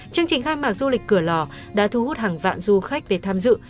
chương trình khai mạc du lịch cửa lò đã thu hút hàng vạn du khách về tham dự